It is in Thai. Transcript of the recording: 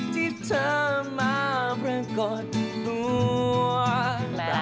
ที่เธอมารักกดร่วง